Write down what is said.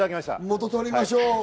元取りましょう！